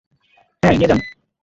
হ্যাঁ, নিয়ে যান।